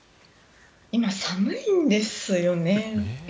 今、寒いんですよね。